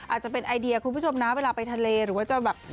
อาจจะเป็นไอเดียคุณผู้ชมนะเวลาไปทะเลหรือว่าจะแบบ